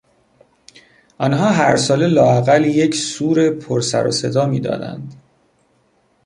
آنها هر ساله لااقل یک سور پر سر و صدا میدادند.